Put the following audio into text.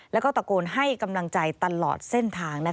แล้วก็ตะโกนให้กำลังใจตลอดเส้นทาง